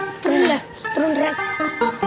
salah salah salah